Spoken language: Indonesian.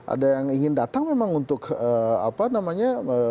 ada yang ingin datang memang untuk apa namanya